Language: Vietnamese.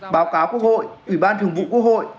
báo cáo quốc hội ủy ban thường vụ quốc hội